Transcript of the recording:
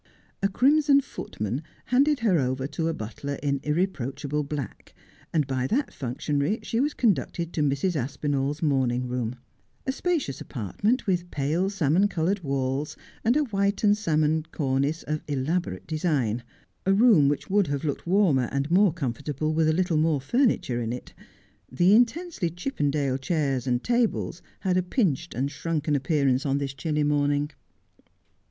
A crimson footman handed her over to a butler in irre proachable black, and by that functionary she was conducted to Mrs. Aspinall's morning room — a spacious apartment with pale salmon coloured walls, and a white and salmon cornice of elaborate design — a room which would have looked warmer and more comfortable with a little more furniture in it. The intensely Chippendale chairs and tables had a pinched and shrunken appearance on this chilly morning.